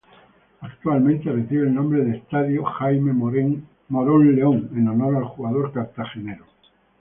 Actualmente recibe el nombre de Estadio Jaime Morón León en honor al jugador cartagenero.